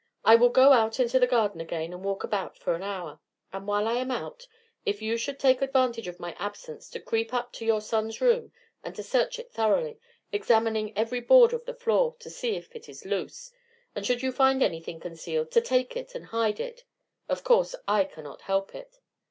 I will go out into the garden again and walk about for an hour, and while I am out, if you should take advantage of my absence to creep up to your son's room and to search it thoroughly, examining every board of the floor to see if it is loose, and should you find anything concealed, to take it and hide it, of course I cannot help it.